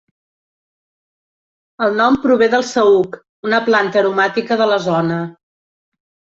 El nom prové del saüc, una planta aromàtica de la zona.